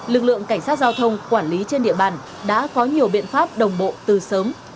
lực lượng cảnh sát giao thông quản lý trên địa bàn đã có nhiều biện pháp đồng bộ từ sớm